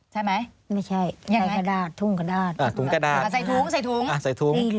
ใช่ไหม